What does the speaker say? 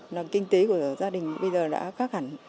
là kinh tế của gia đình bây giờ đã khác hẳn